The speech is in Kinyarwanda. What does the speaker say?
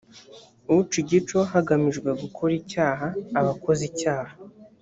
uca igico hagamijwe gukora icyaha, aba akoze icyaha